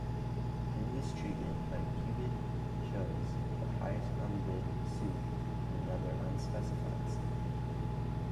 In this treatment a cuebid shows the highest unbid suit and another unspecified suit.